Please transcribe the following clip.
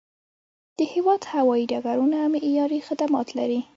د هیواد هوایي ډګرونه معیاري خدمات لري.